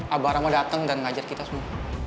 abarama dateng dan ngajar kita semua